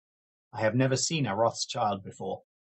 I have never seen a Rothschild before.